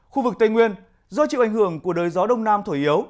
khu vực tây nguyên do chịu ảnh hưởng của đời gió đông nam thổi yếu